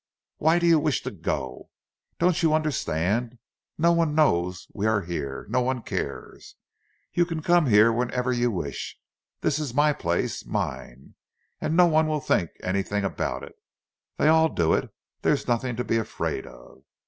Why do you wish to go? Don't you understand—no one knows we are here—no one cares! You can come here whenever you wish—this is my place—mine! And no one will think anything about it. They all do it. There is nothing to be afraid of!"